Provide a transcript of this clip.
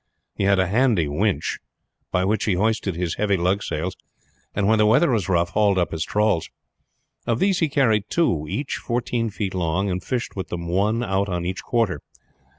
He had a handy winch, by which he hoisted his heavy lug sails, and when the weather was rough hauled up his trawls. Of these he carried two, each fourteen feet long, and fished with them one out on each quarter.